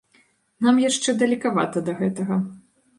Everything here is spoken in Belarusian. Нам яшчэ далекавата да гэтага.